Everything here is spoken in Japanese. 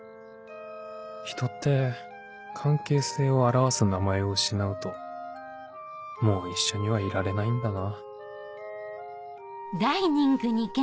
人って関係性を表す名前を失うともう一緒にはいられないんだな